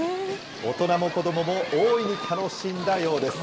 大人も子どもも大いに楽しんだようです。